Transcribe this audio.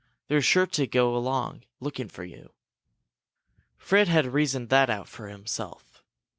They're sure to go along, looking for you." Fred had reasoned that out for himself.